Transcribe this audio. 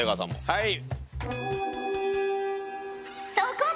はい。